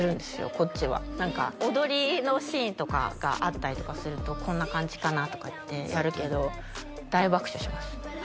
こっちは何か踊りのシーンとかがあったりとかするとこんな感じかなとかってやるけど大爆笑します